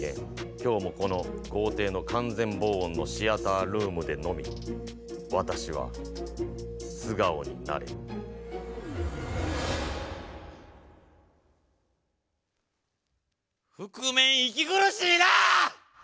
今日もこの豪邸の完全防音のシアタールームでのみ私は素顔になれる覆面息苦しいな！